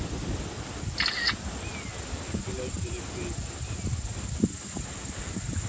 গ্রেপ্তার হয়ে আন্দামান সেলুলার জেলে প্রেরিত হন।